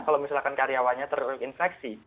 kalau misalkan karyawannya terinfeksi